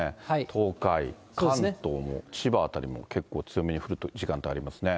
東海、関東も、千葉辺りも、結構、強めに降ってくる時間帯もありますね。